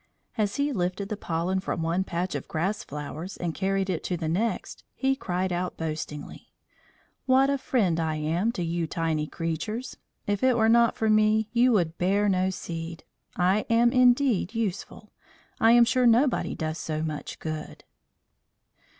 As he lifted the pollen from one patch of grass flowers and carried it to the next he cried boastingly: "What a friend I am to you tiny creatures! If it were not for me you could bear no seed. I am indeed useful. I am sure nobody does so much good."